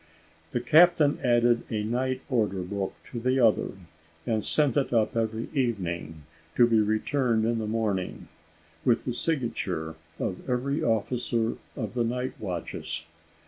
The captain added a night order book to the other, and sent it up every evening, to be returned in the morning, with the signature of every officer of the night watches.